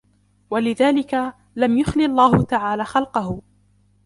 وَلِذَلِكَ لَمْ يُخْلِ اللَّهُ تَعَالَى خَلْقَهُ